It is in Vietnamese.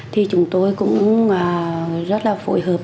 thì chúng tôi cũng rất là phối hợp